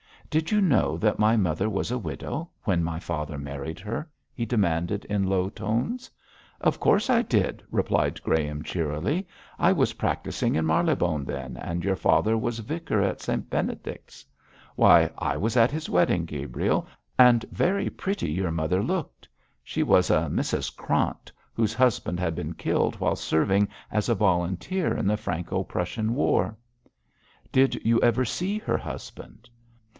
'Did you know that my mother was a widow when my father married her?' he demanded in low tones. 'Of course I did,' replied Graham, cheerily. 'I was practising in Marylebone then, and your father was vicar of St Benedict's. Why, I was at his wedding, Gabriel, and very pretty your mother looked. She was a Mrs Krant, whose husband had been killed while serving as a volunteer in the Franco Prussian War!' 'Did you ever see her husband?'